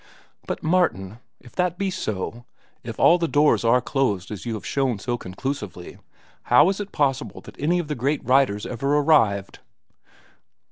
"But, Martin, if that be so, if all the doors are closed as you have shown so conclusively, how is it possible that any of the great writers ever arrived?"